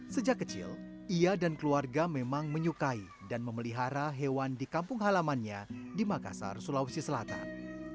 sejak kecil ia dan keluarga memang menyukai dan memelihara hewan di kampung halamannya di makassar sulawesi selatan